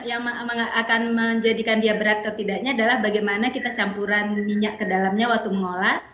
yang akan menjadikan dia berat atau tidaknya adalah bagaimana kita campuran minyak ke dalamnya waktu mengolah